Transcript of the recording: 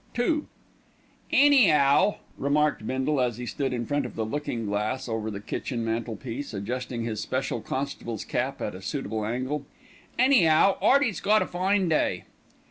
II "Any'ow," remarked Bindle as he stood in front of the looking glass over the kitchen mantelpiece, adjusting his special constable's cap at a suitable angle. "Any'ow, 'Earty's got a fine day."